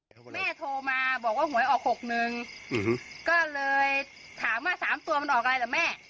แม่โทรมาบอกว่าหัวให้ออก๖นึงก็เลยถามว่า๓ตัวมันออกอะไรล่ะแม่